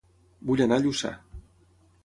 Vull anar a Lluçà